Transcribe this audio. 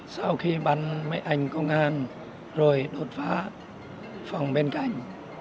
sau khi bắn mấy anh công an rồi đột phá phòng bên cạnh